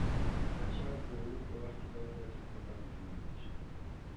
د اچارو جوړولو په وخت کې باید دا ټکي په پام کې ونیول شي.